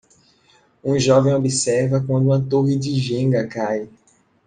Um jovem observa quando uma torre de Jenga cai.